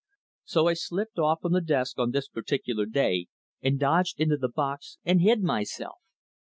So I slipped off from the desk on this particular day and dodged into the box and hid myself.